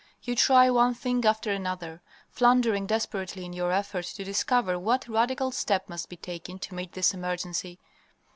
You try one thing after another, floundering desperately in your effort to discover what radical step must be taken to meet this emergency.